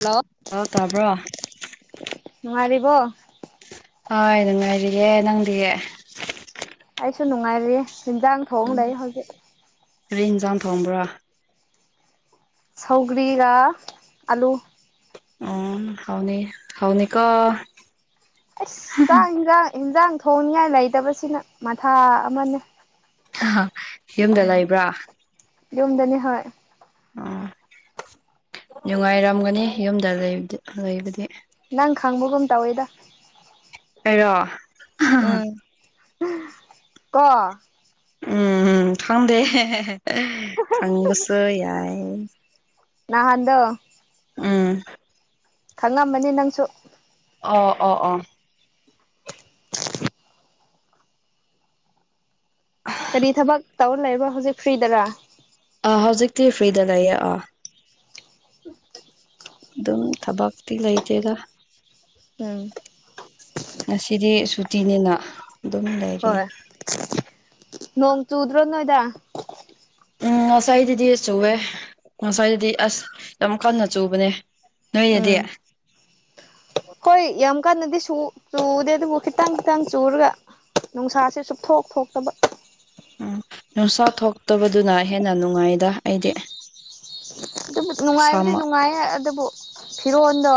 hello ꯂꯣ ꯇꯥꯕ꯭ꯔꯣ ꯅꯨꯉꯥꯏꯔꯤꯕꯣ ꯍꯣꯏ ꯅꯨꯡꯉꯥꯏꯔꯤꯌꯦ ꯅꯪꯗꯤ ꯑꯩꯁꯨ ꯅꯨꯡꯉꯥꯏꯔꯤꯌꯦ ꯍꯤꯟꯖꯥꯡ ꯊꯣꯡꯉ ꯂꯩ ꯍꯧꯖꯤꯛ ꯀꯔꯤ ꯍꯤꯟꯖꯥꯡ ꯊꯣꯡꯕ꯭ꯔꯥ ꯁꯧꯒ꯭ꯔꯤꯒꯥ ꯑꯂꯨ ꯎꯝ ꯍꯥꯎꯅꯤ ꯍꯥꯎꯅꯤꯀꯣ ꯑꯁ ꯆꯥꯛ ꯏꯟꯁꯥꯡ ꯏꯟꯖꯥꯡ ꯊꯣꯡꯅꯤꯉꯥꯏ ꯂꯩꯇꯥꯕꯁꯤꯅ ꯃꯊꯥ ꯑꯃꯥꯅꯦ ꯌꯨꯝꯗꯥ ꯂꯩꯕ꯭ꯔꯥ ꯌꯨꯝꯗꯥꯅꯦ ꯍꯣꯏ ꯑꯣ ꯅꯨꯡꯉꯥꯏꯔꯝꯒꯥꯅꯤ ꯌꯨꯝꯗꯥ ꯂꯩꯕꯥꯗꯤ ꯅꯪ ꯈꯪꯕꯒꯨꯝ ꯇꯧꯋꯦ ꯑꯩꯔꯣ ꯎꯝ ꯀꯣ ꯎꯝ ꯎꯝ ꯉꯪꯗꯦ ꯈꯪꯕꯁꯨ ꯌꯥꯏ ꯅꯍꯥꯟꯗꯣ ꯎꯝ ꯈꯪꯉꯝꯃꯥꯅꯤ ꯅꯪꯁꯨ ꯑꯣ ꯑꯣ ꯑꯣ [unintelligible] ꯀꯔꯤ ꯊꯥꯕꯛ ꯇꯧꯔꯥ ꯂꯩꯕ꯭ꯔꯣ ꯍꯧꯖꯤꯛ ꯐ꯭ꯔꯤꯗꯔꯥ ꯑꯥ ꯍꯧꯖꯤꯛꯇꯤ ꯐ꯭ꯔꯤꯗꯥ ꯂꯩꯌꯦ ꯑꯥꯥ ꯑꯗꯨꯝ ꯊꯥꯕꯛꯇꯤ ꯂꯩꯇꯦꯗ ꯎꯝ ꯉꯁꯤꯗꯤ ꯁꯨꯇꯤꯅꯤꯅꯥ ꯑꯗꯨꯝ ꯂꯩꯔꯦ ꯍꯣꯏ ꯅꯣꯡ ꯆꯨꯗ꯭ꯔꯣ ꯅꯣꯏꯗꯥ ꯎꯝ ꯉꯁꯥꯏꯗꯥꯗꯤ ꯆꯨꯑꯦ ꯉꯁꯥꯏꯗꯥꯗꯤ ꯑꯁ ꯌꯥꯝ ꯀꯟꯅ ꯆꯨꯕꯥꯅꯦ ꯎꯝ ꯍꯣꯏ ꯌꯥꯝ ꯀꯥꯟꯅꯥꯗꯤ ꯆꯨꯗꯦ ꯑꯗꯨꯕꯨ ꯈꯤꯇꯪ ꯈꯤꯇꯪ ꯆꯨꯔꯒꯥ ꯅꯨꯡꯁꯥꯁꯦ ꯁꯨꯛꯊꯣꯛ ꯊꯣꯛꯇꯥꯕ ꯎꯝ ꯅꯨꯡꯁꯥ ꯊꯣꯛꯇꯥꯕꯗꯨꯅ ꯍꯦꯟꯅ ꯅꯨꯡꯉꯥꯏꯗꯥ ꯑꯩꯗꯤ ꯑꯗꯨꯕꯨ ꯅꯨꯡꯉꯥꯏꯕꯗꯤ ꯁꯥꯃ ꯅꯨꯡꯉꯥꯏꯌꯦ ꯑꯗꯨꯕꯨ ꯐꯤꯔꯣꯟꯜꯗꯣ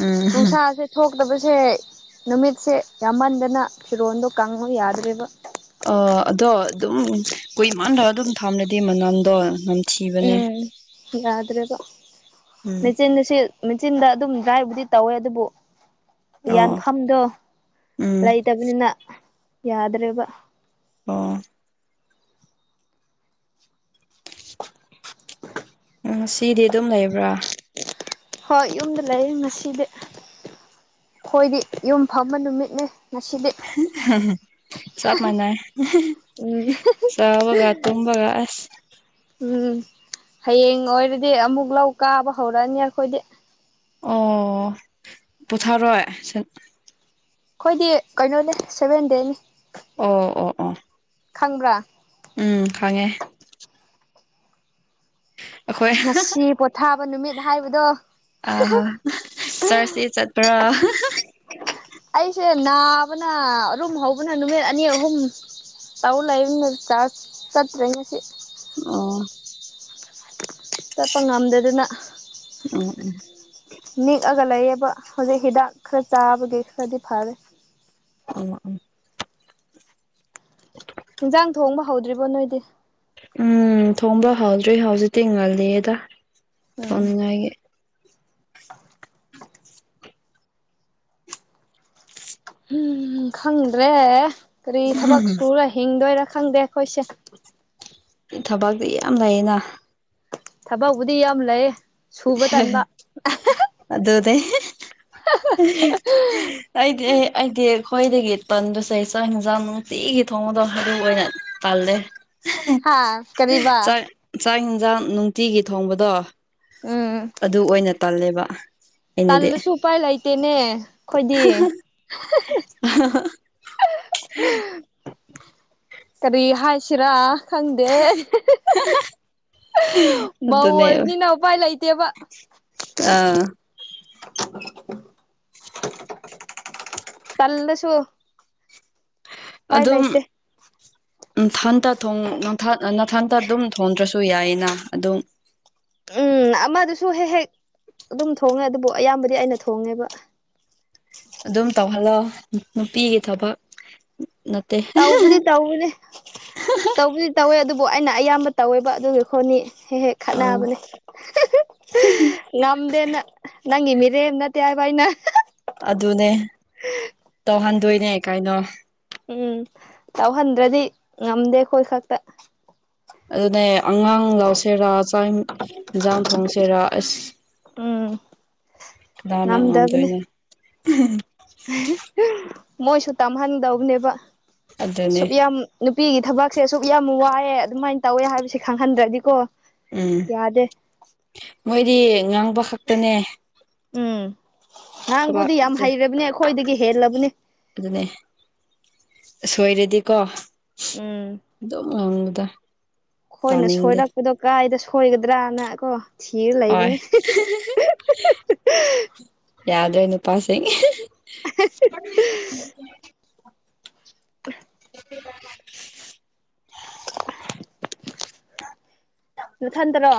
ꯎꯝ ꯅꯨꯡꯁꯥꯁꯦ ꯊꯣꯛꯀꯗꯕꯁꯦ ꯅꯨꯃꯤꯠꯁꯦ ꯌꯥꯝꯃꯟꯗꯅ ꯐꯤꯔꯣꯟꯗꯣ ꯀꯪꯉꯨ ꯌꯥꯗ꯭ꯔꯦꯕ ꯑ ꯑꯗꯣ ꯑꯗꯨꯝ ꯀꯨꯏꯃꯥꯟꯗ ꯑꯗꯨꯝ ꯊꯥꯝꯂꯗꯤ ꯃꯅꯝꯗꯣ ꯅꯝ ꯎꯝ ꯌꯥꯗ꯭ꯔꯦꯕ ꯎꯝ ꯃꯦꯆꯤꯟꯅꯁꯤꯜ ꯃꯦꯆꯤꯟꯗ ꯑꯗꯨꯝ ꯗ꯭ꯔꯥꯏꯕꯨꯗꯤ ꯇꯧꯋꯦ ꯑꯗꯨꯕꯨ ꯑꯣ ꯌꯥꯟꯐꯝꯗꯣ ꯎꯝ ꯂꯩꯇꯕꯅꯤꯅ ꯌꯥꯗ꯭ꯔꯦꯕ ꯑꯣ ꯎꯝ ꯁꯤꯗꯤ ꯑꯗꯨꯝ ꯂꯩꯕ꯭ꯔꯥ ꯍꯣꯏ ꯌꯨꯝꯗ ꯂꯩꯌꯦ ꯉꯁꯤꯗꯤ ꯈꯣꯏꯗꯤ ꯌꯨꯝ ꯐꯝꯕ ꯅꯨꯃꯤꯠꯅꯦ ꯉꯁꯤꯗꯤ ꯍ ꯍꯦꯍꯦ ꯆꯞ ꯃꯅꯩ ꯎꯝ ꯆꯥꯕꯒ ꯇꯨꯝꯕꯒ ꯑꯁ ꯎꯝ ꯍꯌꯦꯡ ꯂꯣꯏꯔꯗꯤ ꯑꯃꯨꯛ ꯂꯧ ꯀꯥꯕ ꯍꯧꯔꯑꯅꯤ ꯑꯈꯣꯏꯗꯤ ꯑꯣ ꯄꯨꯊꯔꯣꯏ ꯁꯟ ꯈꯣꯏꯗꯤ ꯀꯩꯅꯣꯅꯦ ꯁꯚꯦꯟ ꯗꯦꯅꯤ ꯑꯣ ꯑꯣ ꯑꯣ ꯈꯪꯕ꯭ꯔꯥ ꯎꯝ ꯈꯪꯉꯦ ꯑꯩꯈꯣꯏ ꯉꯁꯤ ꯄꯣꯊꯥꯕ ꯅꯨꯃꯤꯠ ꯍꯥꯏꯕꯗꯣ ꯆꯔꯁꯇꯤ ꯆꯠꯄ꯭ꯔꯥ ꯑꯩꯁꯦ ꯅꯥꯕꯅ ꯑꯔꯨꯝ ꯍꯧꯕꯅ ꯅꯨꯃꯤꯠ ꯑꯅꯤ ꯑꯍꯨꯝ ꯇꯧ ꯂꯩꯥꯔꯝꯕꯅꯤ ꯆꯥꯔꯁ ꯆꯠꯇ꯭ꯔꯦ ꯉꯁꯤ ꯑꯣ ꯆꯠꯄ ꯉꯝꯗꯗꯅ ꯎꯝ ꯎꯝ ꯅꯤꯛꯑꯒ ꯂꯩꯌꯦꯕ ꯍꯧꯖꯤꯛ ꯍꯤꯗꯥꯛ ꯈꯔ ꯆꯥꯕꯒꯤ ꯈꯔꯗꯤ ꯐꯔꯦ ꯎꯝ ꯎꯝ ꯏꯟꯖꯥꯡ ꯊꯣꯡꯕ ꯍꯧꯗ꯭ꯔꯤꯕꯣ ꯅꯣꯏꯗꯤ ꯎꯝ ꯊꯣꯡꯕ ꯍꯧꯗ꯭ꯔꯤ ꯍꯧꯖꯤꯛꯇꯤ ꯉꯜꯂꯤꯌꯦꯗ ꯎꯝ ꯊꯣꯡꯅꯤꯡꯉꯥꯏꯒꯤ ꯍꯨꯝ ꯈꯪꯗ꯭ꯔꯦ ꯀꯔꯤ ꯊꯕꯛ ꯁꯨꯔ ꯍꯤꯡꯗꯣꯏꯔ ꯈꯪꯗꯦ ꯑꯈꯣꯏꯁꯦ ꯊꯕꯛꯗꯤ ꯌꯥꯝ ꯂꯩꯌꯦꯅ ꯊꯕꯛꯕꯨꯗꯤ ꯌꯥꯝ ꯂꯩꯌꯦ ꯁꯨꯕ ꯍꯦꯍꯦ ꯇꯟꯕ ꯑꯗꯨꯅꯦ ꯑꯩꯗꯤ ꯑꯩ ꯑꯩꯗꯤ ꯑꯈꯣꯏꯗꯒꯤ ꯇꯟꯕꯁꯦ ꯆꯥꯛ ꯍꯦꯟꯖꯥꯡ ꯅꯨꯡꯇꯤꯒꯤ ꯊꯣꯡꯕꯗꯣ ꯑꯗꯨ ꯑꯣꯏꯅ ꯇꯜꯂꯦ ꯍꯥ ꯀꯔꯤꯕ ꯆꯥꯛ ꯆꯥꯛ ꯍꯦꯟꯖꯥꯡ ꯅꯨꯡꯇꯤꯒꯤ ꯊꯣꯡꯕꯗꯣ ꯎꯝ ꯑꯗꯨ ꯑꯣꯏꯅ ꯇꯜꯂꯦꯕ ꯑꯩꯅꯗꯤ ꯇꯜꯂꯁꯨ ꯎꯄꯥꯏ ꯂꯩꯇꯦꯅꯦ ꯈꯣꯏꯗꯤ [unintelligible] ꯀꯔꯤ ꯍꯥꯏꯁꯤꯔꯥ ꯈꯪꯗꯦ ꯃꯧ ꯑꯗꯨꯅꯦ ꯑꯣꯏꯕꯅꯤꯅ ꯎꯄꯥꯏ ꯂꯩꯇꯦꯕ ꯑꯥ [unintelligible] ꯇꯜꯂꯁꯨ ꯎꯄꯥꯏ ꯑꯗꯨꯝ ꯂꯩꯇꯦ ꯏꯊꯟꯇ ꯊꯣꯡ ꯊꯠꯅ ꯅꯊꯟꯇ ꯑꯗꯨꯝ ꯊꯣꯡꯗ꯭ꯔꯁꯨ ꯌꯥꯏꯌꯦꯅ ꯑꯗꯨꯝ ꯎꯝ ꯑꯃꯗꯨꯁꯨ ꯍꯦꯛ ꯍꯦꯛ ꯑꯗꯨꯝ ꯊꯣꯡꯉꯦ ꯑꯗꯨꯕꯨ ꯑꯌꯥꯝꯕꯗꯤ ꯑꯩꯅ ꯊꯣꯡꯉꯦꯕ ꯑꯗꯨꯝ ꯇꯧꯍꯜꯂꯣ ꯅꯨꯄꯤꯒꯤ ꯊꯕꯛ ꯅꯠꯇꯦ ꯇꯧꯕꯨꯗꯤ ꯇꯧꯕꯅꯦ ꯇꯧꯕꯨꯗꯤ ꯇꯧꯋꯦ ꯑꯗꯨꯕꯨ ꯑꯩꯅ ꯑꯌꯥꯝꯕ ꯇꯧꯋꯦꯕ ꯑꯗꯨꯒꯤ ꯑꯈꯣꯠꯅꯤ ꯍꯦꯛ ꯍꯦꯛ ꯑꯥ ꯈꯠꯅꯕꯅꯦ ꯉꯝꯗꯦꯅ ꯅꯪꯒꯤ ꯃꯤꯔꯦꯝ ꯅꯠꯇꯦ ꯍꯥꯏꯕ ꯑꯩꯅ ꯑꯗꯨꯅꯦ ꯇꯧꯍꯟꯗꯣꯏꯅꯦ ꯀꯥꯏꯅꯣ ꯎꯝ ꯇꯧꯍꯟꯗ꯭ꯔꯗꯤ ꯉꯝꯗꯦ ꯑꯩꯈꯣꯏ ꯈꯛꯇ ꯑꯗꯨꯅꯦ ꯑꯉꯥꯡ ꯂꯧꯁꯦꯔꯥ ꯆꯥꯛ ꯌꯦꯟꯁꯥꯡ ꯊꯣꯡꯁꯦꯔꯥ ꯑꯁ ꯎꯝ ꯗꯅꯥ ꯉꯝꯗꯕꯅꯦ ꯉꯝꯗꯣꯏꯅꯣ ꯃꯣꯏꯁꯨ ꯇꯝꯍꯟꯗꯧꯕꯅꯦꯕ ꯑꯗꯨꯅꯦ ꯁꯨꯛ ꯌꯥꯝ ꯅꯨꯄꯤꯒꯤ ꯊꯕꯛꯁꯦ ꯑꯁꯨꯛ ꯌꯥꯝ ꯋꯥꯏꯑꯦ ꯑꯗꯨꯃꯥꯏꯅ ꯇꯧꯋꯦ ꯍꯥꯏꯕꯁꯦ ꯈꯪꯍꯟꯗ꯭ꯔꯗꯤꯀꯣ ꯎꯝ ꯌꯥꯗꯦ ꯃꯣꯏꯗꯤ ꯉꯥꯡꯕ ꯈꯛꯇꯅꯦ ꯎꯝ ꯉꯥꯡꯕꯨꯗꯤ ꯌꯥꯝ ꯊꯕꯛꯁꯦ ꯍꯩꯔꯕꯅꯤ ꯑꯩꯈꯣꯏꯗꯒꯤ ꯍꯦꯜꯂꯕꯅꯤ ꯑꯗꯨꯅꯦ ꯁꯣꯏꯔꯗꯤꯀꯣ ꯎꯝ ꯑꯗꯨꯝ ꯉꯥꯡꯕꯗꯣ ꯑꯩꯈꯣꯏꯅ ꯁꯣꯏꯔꯛꯄꯗꯣ ꯀꯥꯏꯗ ꯁꯣꯏꯒꯗ꯭ꯔꯥꯅ ꯀꯣ ꯊꯤꯔ ꯍꯣꯏ ꯂꯩꯕꯅꯦ ꯌꯥꯗ꯭ꯔꯦ ꯅꯨꯄꯥꯥꯁꯤꯡ [inaudible] [inaudible] [inaudible] ꯅꯊꯟꯇꯔꯣ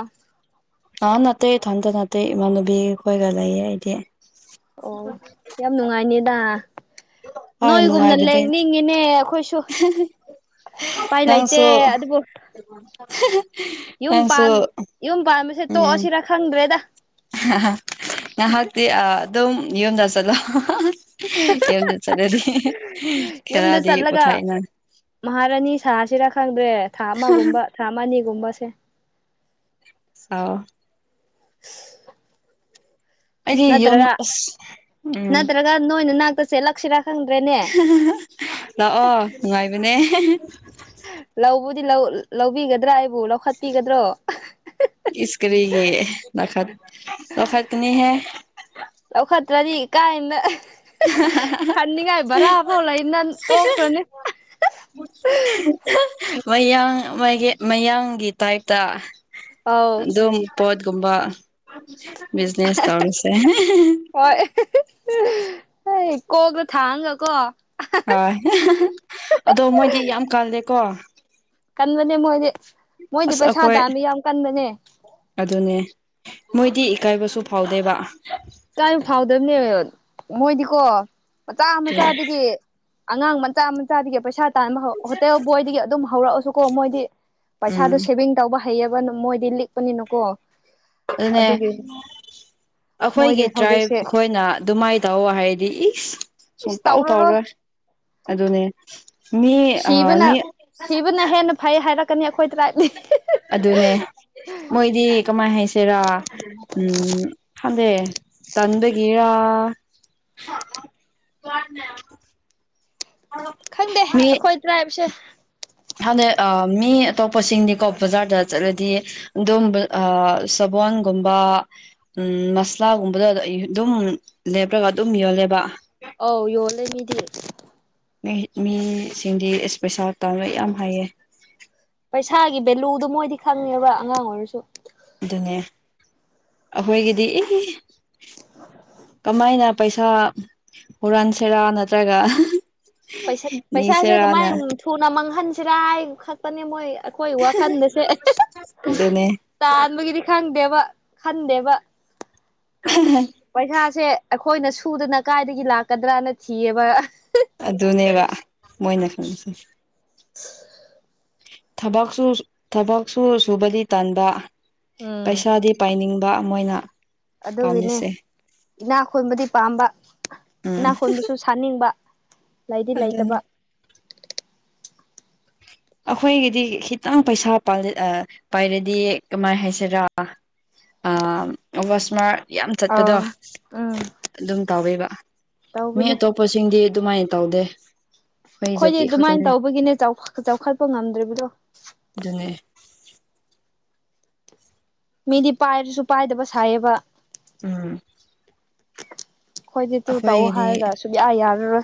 ꯑꯥ ꯅꯠꯇꯩ ꯏꯊꯟꯗ ꯅꯥꯠꯇꯩ ꯏꯃꯥꯅꯕꯤ ꯈꯣꯏꯒ ꯂꯩꯌꯦ ꯑꯩꯗꯤ ꯑꯣ ꯌꯥꯝ ꯅꯨꯡꯉꯥꯏꯅꯦꯗ ꯍꯣꯏ ꯅꯣꯏꯒꯨꯝꯅ ꯅꯨꯡꯉꯥꯏꯕꯗꯤ ꯂꯩꯅꯤꯡꯉꯤꯅꯦ ꯑꯩꯈꯣꯏꯁꯨ ꯎꯄꯥꯏ ꯂꯩꯇꯦ ꯅꯪꯁꯨ ꯑꯗꯨꯕꯨ [unintelligible] ꯌꯨꯝ ꯅꯪꯁꯨ ꯄꯥꯟ ꯌꯨꯝ ꯄꯥꯟꯕꯁꯦ ꯇꯣꯛꯑꯁꯤꯔꯥ ꯈꯪꯗ꯭ꯔꯦꯗ ꯉꯍꯥꯛꯇꯤ ꯑꯥ ꯑꯗꯨꯝ ꯌꯨꯝꯗ ꯆꯠꯂꯣ ꯌꯨꯝꯗ ꯆꯠꯂꯗꯤ ꯌꯨꯝꯗ ꯈꯔꯗꯤ ꯆꯠꯂꯒ ꯄꯣꯊꯥꯏꯅ ꯃꯍꯥꯔꯥꯅꯤ ꯁꯥꯁꯤꯔꯥ ꯈꯪꯗ꯭ꯔꯦ ꯊꯥ ꯑꯃꯒꯨꯝꯕ ꯊꯥ ꯑꯅꯤꯒꯨꯝꯕꯁꯦ ꯁꯥꯎ [inaudible] ꯑꯩꯗꯤ ꯌꯨꯝ ꯅꯠꯇ꯭ꯔꯥꯒ ꯑꯁ ꯎꯝ ꯅꯠꯇ꯭ꯔꯥꯒ ꯅꯣꯏ ꯅꯅꯥꯛꯇꯥ ꯆꯦꯠꯂꯛꯁꯤꯔꯥ ꯂꯥꯛꯑꯣ ꯅꯨꯡꯉꯥꯏꯕꯅꯦ ꯂꯧꯕꯗꯤ ꯂꯧ ꯂꯧꯕꯤꯒꯗ꯭ꯔꯥ ꯑꯩꯕꯨ ꯂꯧꯈꯠꯄꯤꯒꯗ꯭ꯔꯣ ꯏꯁ ꯀꯔꯤꯒꯤ ꯂꯧꯈꯠ ꯂꯧꯈꯠꯀꯥꯅꯤꯍꯦ ꯂꯧꯈꯠꯇ꯭ꯔꯥꯗꯤ ꯀꯥꯏꯅ ꯍꯟꯅꯤꯡꯉꯥꯏ ꯚꯔꯥꯐꯥꯎ ꯂꯩꯅꯟ ꯇꯣꯛꯈ꯭ꯔꯥꯅꯤ ꯃꯌꯥꯡ ꯃꯥꯒꯤ ꯃꯌꯥꯡꯒꯤ ꯇꯥꯏꯞꯇꯥ ꯑꯧ ꯑꯗꯨꯝ ꯄꯣꯠꯀꯨꯝꯕ ꯕꯤꯖꯤꯅꯦꯁ ꯇꯧꯔꯁꯦ ꯍꯣꯏ ꯀꯣꯛꯇꯥ ꯊꯥꯡꯉꯒꯀꯣ ꯑꯥ ꯑꯗꯣ ꯃꯣꯏꯗꯤ ꯌꯥꯝ ꯀꯜꯂꯦꯀꯣ ꯀꯟꯕꯅꯦ ꯃꯣꯏꯗꯤ ꯃꯣꯏꯗꯤ ꯑꯁ ꯄꯩꯁꯥ ꯑꯩꯈꯣꯏ ꯇꯥꯟꯕ ꯌꯥꯝ ꯀꯟꯕꯅꯦ ꯑꯗꯨꯅꯦ ꯃꯣꯏꯗꯤ ꯏꯀꯥꯏꯕꯁꯨ ꯐꯥꯎꯗꯦꯕ ꯏꯀꯥꯏꯕ ꯐꯥꯎꯗꯕꯅꯦ ꯃꯣꯏꯗꯤꯀꯣ ꯃꯆꯥ ꯃꯆꯥꯗꯒꯤ ꯑꯉꯥꯡ ꯃꯆꯥ ꯃꯆꯥꯗꯒꯤ ꯄꯩꯁꯥ ꯇꯥꯟꯕ ꯍꯧ ꯍꯣꯇꯦꯜ ꯕꯣꯏꯗꯒꯤ ꯑꯗꯨꯝ ꯍꯧꯔꯛꯑꯁꯨꯀꯣ ꯃꯣꯏꯗꯤ ꯎꯝ ꯄꯩꯁꯥꯗꯣ ꯁꯦꯚꯤꯡ ꯇꯧꯕ ꯍꯩꯑꯕ ꯃꯣꯏꯗꯤ ꯂꯤꯛꯄꯅꯤꯅꯀꯣ ꯑꯗꯨꯅꯦ ꯑꯗꯨꯒꯤ ꯃꯣꯏꯗꯤ ꯑꯩꯈꯣꯏꯒꯤ ꯇ꯭ꯔꯥꯏꯞ ꯍꯧꯖꯤꯛꯁꯦ ꯈꯣꯏꯅ ꯑꯗꯨꯃꯥꯏ ꯇꯧꯋꯣ ꯍꯥꯏꯔꯗꯤ ꯏꯁ ꯏꯁ ꯁꯨꯡꯇꯥꯎ ꯇꯧꯔꯔꯣꯏ ꯇꯥꯎꯔꯣꯏ ꯑꯗꯨꯅꯦ ꯃꯤ ꯁꯤꯕꯅ ꯃꯤ ꯁꯤꯕꯅ ꯍꯦꯟꯅ ꯐꯩ ꯍꯥꯏꯔꯛꯀꯥꯅꯤ ꯑꯩꯈꯣꯏ ꯇ꯭ꯔꯥꯏꯞ ꯗꯤ ꯑꯗꯨꯅꯦ ꯃꯣꯏꯗꯤ ꯀꯃꯥꯏ ꯍꯥꯏꯁꯤꯔꯥ ꯎꯝ ꯈꯪꯗꯦ ꯇꯟꯕꯒꯤꯔꯥ [unintelligible] ꯈꯪꯗꯦ ꯑꯩꯈꯣꯏ ꯇ꯭ꯔꯥꯏꯕꯁꯦ ꯈꯟꯗꯦ ꯑꯥ ꯃꯤ ꯑꯇꯣꯞꯄꯁꯤꯡꯗꯤꯀꯣ ꯕꯖꯥꯔꯗ ꯆꯠꯂꯗꯤ ꯑꯗꯨꯝ ꯑꯥ ꯁꯕꯣꯟꯒꯨꯝꯕ ꯎꯝ ꯃꯁꯂꯥꯒꯨꯝꯕꯗꯣ ꯑꯗꯨꯝ ꯂꯦꯞꯔꯒ ꯑꯗꯨꯝ ꯌꯣꯜꯂꯦꯕ ꯑꯧ ꯌꯣꯜꯂꯦ ꯃꯤꯗꯤ ꯃꯤ ꯃꯤꯁꯤꯡꯗꯤ ꯏꯁ ꯄꯩꯁꯥ ꯇꯥꯟꯕ ꯌꯥꯝ ꯍꯩꯌꯦ ꯄꯩꯁꯥꯒꯤ ꯚꯦꯂꯨꯗꯣ ꯃꯣꯏꯗꯤ ꯈꯪꯉꯦꯕ ꯑꯉꯥꯡ ꯑꯣꯏꯔꯁꯨ ꯑꯗꯨꯅꯦ ꯑꯩꯈꯣꯏꯒꯤꯗꯤ ꯏ ꯀꯃꯥꯏꯅ ꯄꯩꯁꯥ ꯍꯨꯔꯟꯁꯦꯔꯥ ꯅꯠꯇ꯭ꯔꯒ ꯄꯩꯁꯠ ꯄꯩꯁꯥꯁꯦ ꯅꯤꯁꯤꯔꯥꯅ ꯀꯃꯥꯏꯅ ꯊꯨꯅ ꯃꯥꯡꯍꯟꯁꯦꯔꯥ ꯍꯥꯏꯅꯥ ꯈꯟ ꯄꯅꯦ ꯃꯣꯏ ꯑꯩꯈꯣꯏ ꯋꯥꯈꯟꯒꯥꯁꯦ ꯑꯗꯨꯅꯦ ꯇꯥꯟꯕꯒꯤꯗꯤ ꯈꯪꯗꯦꯕ ꯈꯟꯗꯦꯕ [unintelligible] ꯄꯩꯁꯥꯁꯦ ꯑꯩꯈꯣꯏꯅ ꯁꯨꯗꯅ ꯀꯥꯏꯗꯒꯤ ꯂꯥꯛꯀꯗ꯭ꯔꯅ ꯊꯤꯌꯦꯕ ꯑꯗꯨꯅꯦꯕ ꯃꯣꯏꯅ ꯈꯪꯁꯦ ꯊꯕꯛꯁꯨ ꯊꯕꯛꯁꯨ ꯁꯨꯕꯗꯤ ꯇꯟꯕꯥꯥ ꯎꯝ ꯄꯩꯁꯥꯗꯤ ꯄꯥꯏꯅꯤꯡꯕ ꯃꯣꯏꯅ ꯑꯗꯨꯒꯤꯅꯦ ꯄꯥꯝꯃꯤꯁꯦ ꯏꯅꯥ ꯈꯣꯟꯕꯗꯤ ꯄꯥꯝꯕ ꯏꯅꯥ ꯎꯝ ꯈꯣꯟꯕꯁꯨ ꯁꯨ ꯁꯥꯅꯤꯡꯕ ꯂꯩꯗꯤ ꯑꯗꯨꯅꯤ ꯂꯩꯇꯥꯕ ꯑꯩꯈꯣꯏꯒꯤꯗꯤ ꯈꯤꯇꯪ ꯄꯩꯁꯥ ꯄꯟꯗꯤ ꯑꯥ ꯄꯥꯏꯔꯗꯤ ꯀꯃꯥꯏ ꯍꯥꯏꯁꯤꯔꯥ ꯑ ꯑꯥꯋꯥꯁꯃꯥꯔ ꯌꯥꯝ ꯆꯠꯄꯗꯣ ꯑꯥꯎ ꯑꯗꯨꯝ ꯇꯧꯋꯦꯕ ꯃꯤ ꯇꯧꯕꯅꯦ ꯑꯇꯣꯞꯄꯁꯤꯡꯗꯤ ꯑꯗꯨꯃꯥꯏꯅ ꯇꯧꯗꯦ ꯑꯩꯈꯣꯏ ꯑꯩꯈꯣꯏꯗꯤ ꯖꯥꯇꯤ ꯑꯗꯨꯃꯥꯏꯅ ꯈꯛꯇꯅꯦ ꯇꯧꯕꯒꯤꯅꯦ ꯆꯧꯈꯥ ꯆꯥꯎꯈꯠꯄ ꯉꯝꯗ꯭ꯔꯤꯕꯗꯣ ꯑꯗꯨꯅꯦ ꯃꯤꯗꯤ ꯄꯥꯏꯔꯁꯨ ꯄꯥꯏꯗꯕ ꯁꯥꯏꯌꯦꯕ ꯎꯝ ꯈꯣꯏꯗꯤ ꯇꯨ ꯇꯧꯑꯣ ꯑꯩꯈꯣꯏꯒꯤꯗꯤ ꯍꯥꯏꯔꯒ ꯁꯨꯛꯌꯥ ꯌꯥꯔꯔꯣꯏ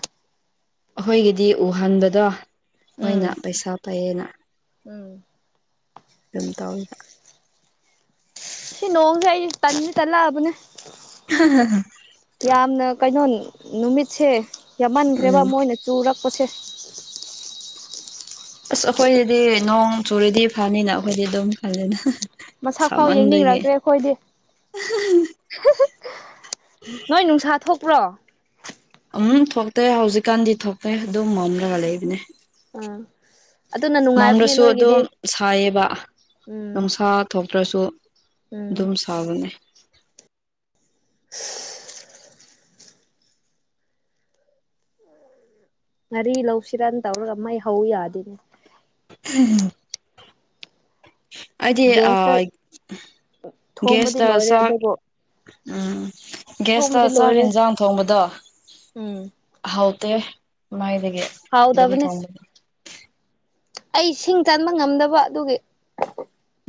ꯑꯍꯣꯢꯒꯤꯗꯤ ꯎꯍꯟꯕꯗꯣ ꯃꯣꯏꯅ ꯎꯝ ꯄꯩꯁꯥ ꯄꯩꯌꯦꯅ ꯎꯝ ꯗꯨꯝ ꯇꯧꯏꯕꯥ ꯁꯤ ꯅꯣꯡ ꯑꯩ ꯇꯟꯗꯤ ꯇꯟꯂꯛꯑꯥꯕꯅꯦ ꯍꯥ ꯍꯥ ꯍꯥ ꯌꯥꯝꯅ ꯀꯩꯅꯣ ꯅꯨꯃꯤꯠꯁꯦ ꯌꯥꯝꯃꯟꯈ꯭ꯔꯦꯕ ꯎꯝ ꯃꯣꯏꯅ ꯆꯨꯔꯛꯄꯁꯦ ꯑꯁ ꯑꯩꯈꯣꯏꯒꯤꯗꯤ ꯅꯣꯡ ꯆꯨꯔꯤꯗꯤ ꯐꯅꯤꯅ ꯑꯩꯈꯣꯏꯗꯤ ꯑꯗꯨꯝ ꯈꯜꯂꯦꯅ ꯃꯁꯛꯐꯥꯎ ꯁꯥꯃꯟꯕꯒꯤ ꯌꯦꯡꯅꯤꯡꯔꯛꯇ꯭ꯔꯦ ꯑꯩꯈꯣꯏꯗꯤ ꯍꯨ ꯍꯨ ꯅꯣꯏ ꯅꯨꯡꯁꯥ ꯊꯣꯛꯄ꯭ꯔꯣ ꯎꯝ ꯊꯣꯛꯇꯦ ꯍꯧꯖꯤꯛꯀꯥꯟꯗꯤ ꯊꯣꯛꯇꯦ ꯑꯗꯨꯝ ꯃꯝꯂꯒ ꯂꯩꯕꯅꯦ ꯑꯥ ꯑꯗꯨꯅ ꯅꯨꯡꯉꯥꯏꯕꯅꯦ ꯃꯝꯗꯁꯨ ꯅꯣꯏꯒꯤꯗꯤ ꯑꯗꯨꯝ ꯁꯥꯏꯌꯦꯕ ꯎꯝ ꯅꯨꯡꯁꯥ ꯊꯣꯛꯇ꯭ꯔꯁꯨ ꯎꯝ ꯑꯗꯨꯝ ꯁꯥꯕꯅꯦ [unintelligible] ꯉꯥꯔꯤ ꯂꯧꯁꯤꯔꯥ ꯇꯧꯔꯒ ꯃꯩ ꯍꯧ ꯌꯥꯗꯦꯅꯦ [unintelligible] ꯑꯩꯗꯤ ꯒ꯭ꯌꯥꯁꯇ ꯑꯥ ꯊꯣꯡꯕꯗꯤ ꯒꯦꯁꯇ ꯂꯣꯏꯔꯦ ꯆꯥꯛ ꯑꯗꯨꯕꯨ ꯎꯝ ꯊꯣꯡꯕꯗꯤ ꯒꯦꯁꯇ ꯆꯥꯛ ꯂꯣꯏꯔꯦ ꯌꯦꯟꯁꯥꯡ ꯊꯣꯡꯕꯗꯣ ꯎꯝ ꯍꯥꯎꯇꯦ ꯃꯥꯥꯏꯗꯒꯤ ꯑꯗꯨꯕꯨ ꯍꯥꯎꯗꯕꯅꯦ ꯊꯣꯡꯕꯅꯤ ꯑꯩ ꯁꯤꯡ ꯆꯟꯕ ꯉꯝꯗꯕ ꯑꯗꯨꯒꯤ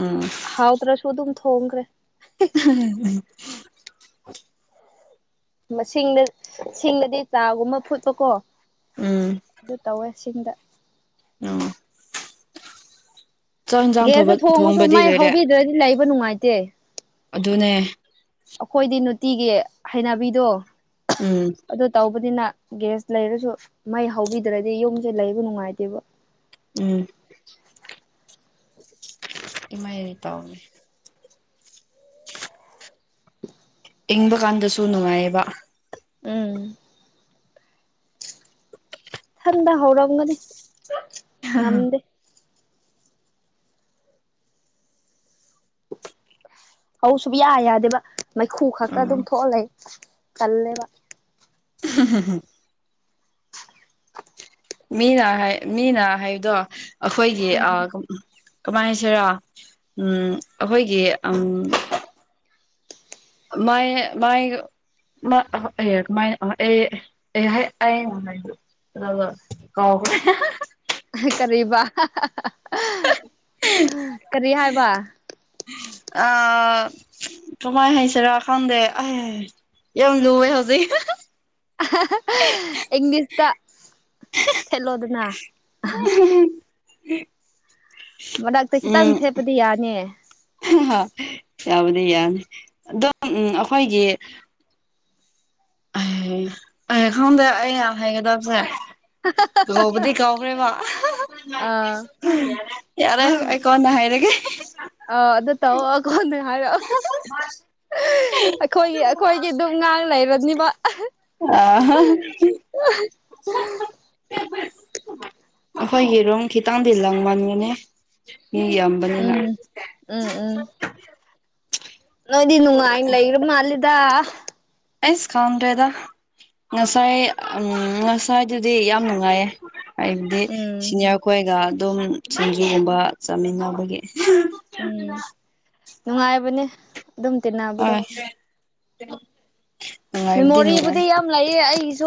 ꯎꯝ ꯍꯥꯎꯇꯔꯁꯨ ꯑꯗꯨꯝ ꯊꯣꯡꯈ꯭ꯔꯦ [unintelligible] ꯃꯁꯤꯡꯗ ꯁꯤꯡꯗꯗꯤ ꯆꯥꯒꯨꯝꯕ ꯐꯨꯠꯄꯀꯣ ꯎꯝ ꯑꯗꯨ ꯇꯧꯋꯦ ꯁꯤꯡꯗ ꯑꯣ ꯒꯦꯌꯥꯁꯇ ꯊꯣꯡꯉꯁꯨ ꯊꯣꯡꯕꯗꯤ ꯃꯥꯏ ꯂꯣꯏꯔꯦ ꯍꯧꯕꯤꯗ꯭ꯔꯗꯤ ꯂꯩꯕ ꯅꯨꯡꯉꯥꯏꯇꯦ ꯑꯗꯨꯅꯦ ꯑꯩꯈꯣꯏꯗꯤ ꯅꯨꯡꯇꯤꯒꯤ ꯍꯩꯅꯕꯤꯗꯣ ꯎꯝ ꯑꯗꯨ ꯇꯧꯕꯅꯤꯅ ꯒ꯭ꯌꯥꯁ ꯂꯩꯔꯁꯨ ꯃꯩ ꯍꯧꯕꯤꯗ꯭ꯔꯗꯤ ꯌꯨꯝꯁꯦ ꯂꯩꯕ ꯅꯨꯡꯉꯥꯏꯇꯦꯕ ꯎꯝ ꯏꯃꯥꯏꯗꯤ ꯇꯥꯎꯅꯤ ꯏꯪꯕ ꯀꯥꯟꯗꯁꯨ ꯅꯨꯡꯉꯥꯏꯌꯦꯕ ꯎꯝ ꯊꯟꯗ ꯍꯧꯔꯝꯒꯅꯤ ꯉꯝꯗꯦ ꯍꯧꯁꯨꯕ ꯌꯥ ꯌꯥꯗꯦꯕ ꯃꯩꯈꯨ ꯈꯛꯇ ꯎꯝ ꯑꯗꯨꯝ ꯊꯣꯛꯍꯂꯦ ꯀꯜꯂꯦꯕ ꯍ ꯍ ꯍ ꯃꯤꯅ ꯍꯥꯏ ꯃꯤꯅ ꯍꯥꯏꯕꯗꯣ ꯑꯩꯈꯣꯏꯒꯤ ꯀꯃꯥꯏꯁꯤꯔ ꯎ ꯑꯩꯈꯣꯏꯒꯤ ꯃꯥꯏ ꯃꯥꯏ [inaudible] ꯑ ꯀ ꯀꯔꯤꯕ ꯀꯔꯤ ꯍꯥꯏꯕ ꯑ ꯀꯃꯥꯏ ꯍꯁꯔ ꯈꯥꯟꯗꯦ ꯑꯦ ꯍꯥꯏꯦ ꯌꯥꯝ ꯂꯨꯑꯦ ꯍꯧꯖꯤꯛ ꯏꯪꯂꯤꯁꯇ ꯊꯦꯠꯂꯣꯗꯅ ꯑꯦ ꯃꯅꯥꯛꯇ ꯈꯤꯇꯪ ꯊꯦꯠꯄꯗꯤ ꯌꯥꯅꯤꯌꯦ ꯌꯥꯎꯕꯗꯤ ꯌꯥꯅꯤ ꯑꯣ ꯎꯝ ꯑꯩꯈꯣꯏꯒꯤ ꯑꯩꯦ ꯈꯗꯦ ꯑꯦ ꯍꯦꯒꯗ ꯐ ꯀꯥꯎꯕꯗꯤ ꯀꯥꯎꯕ꯭ꯔꯦ ꯃꯥ ꯑꯥ ꯌꯥꯔꯦ ꯑꯩꯣ ꯅꯍꯥꯏꯔꯒꯦ ꯑ ꯑꯗꯨ ꯇꯋꯥꯒꯣꯟ ꯍꯥꯏꯔ [inaudible] ꯑꯩꯈꯣꯏꯒꯤ ꯑꯩꯈꯣꯏꯒꯤ ꯑꯗꯨꯝ ꯉꯥꯡ ꯂꯩꯔꯅꯤꯕ ꯑ ꯑꯩꯈꯣꯏ ꯌꯦꯔꯨꯝ ꯈꯤꯇꯪꯗꯤ ꯂꯪ ꯃꯟꯒꯅꯦ ꯃꯤ ꯌꯥꯝ ꯎꯝ ꯎꯝ ꯎꯝ ꯅꯣꯏꯗꯗꯤ ꯅꯅꯨꯡ ꯍꯥꯏ ꯂꯩ ꯏꯔꯅ ꯑꯜꯗ ꯑꯩꯁ ꯈꯪꯗ꯭ꯔꯦꯗ ꯉꯁꯥꯏ ꯉꯁꯥꯏꯗꯨꯗꯤ ꯌꯥꯝ ꯅꯨꯡꯉꯥꯏꯌꯦ ꯍꯥꯏꯕꯗꯤ ꯎꯝ ꯁꯤꯅꯤꯌꯥꯔ ꯈꯣꯏꯒ ꯑꯗꯨꯝ ꯁꯤꯡꯖꯨꯒꯨꯝꯕ ꯆꯥꯃꯤꯟꯅꯕꯒꯤ ꯎꯝ ꯅꯨꯡꯉꯥꯏꯕꯅꯦ ꯑꯗꯨꯝ ꯇꯤꯅ ꯑ ꯃꯦꯃꯣꯔꯤꯕꯨꯗꯤ ꯌꯥꯝ ꯂꯩꯌꯦ ꯑꯩꯒꯤꯁꯨ